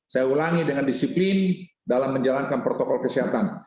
saya ulangi dengan disiplin dalam menjalankan protokol kesehatan